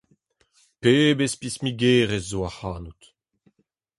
Pebezh pismigerez zo ac’hanout.